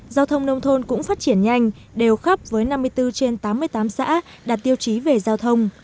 giao thông nông thôn cũng phát triển nhanh đều khắp với năm mươi bốn trên tám mươi tám xã đạt tiêu chí về giao thông